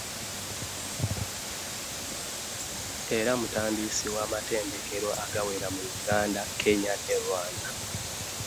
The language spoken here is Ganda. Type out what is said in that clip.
Era mutandisi w'amatendekero agawera mu Uganda, Kenya ne Rwanda.